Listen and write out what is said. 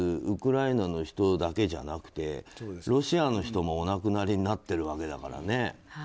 ウクライナの人だけじゃなくてロシアの人もお亡くなりになってるわけだからね。